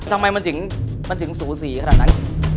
ทำไมมันถึงสูสีขนาดนั้น